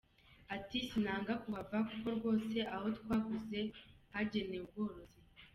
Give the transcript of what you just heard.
Ati “ Sinanga kuhava kuko rwose aho twaguze hagenewe ubworozi.